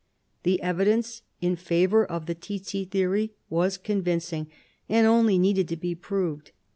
The evidence in favour of the tsetse theory was convinc ing, and only needed to be proved.